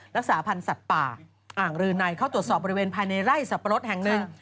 รักษาพันธ์สัตว์ป่าอ่างรืนัยเข้าตรวจสอบบริเวณภายในไร่สับปะรดแห่งหนึ่ง